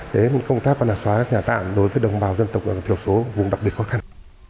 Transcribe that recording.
đến công tác xóa nhà tạm đối với đồng bào dân tộc thiểu số vùng đặc biệt khó khăn